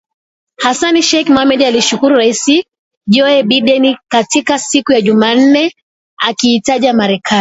Hassan Sheikh Mohamud alimshukuru Rais Joe Biden katika siku ya Jumanne akiitaja Marekani